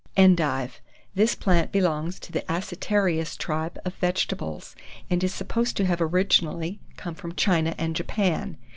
ENDIVE. This plant belongs to the acetarious tribe of vegetables, and is supposed to have originally come from China and Japan.